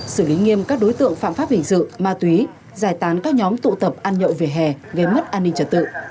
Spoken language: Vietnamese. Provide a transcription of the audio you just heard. xử lý nghiêm các đối tượng phạm pháp hình sự ma túy giải tán các nhóm tụ tập ăn nhậu về hè gây mất an ninh trật tự